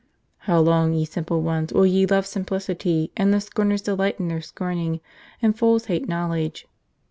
"How long, ye simple ones, will ye love simplicity, and the scorners delight in their scorning, and fools hate knowledge?"